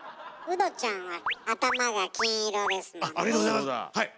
ウドちゃんは頭が金色ですもんね。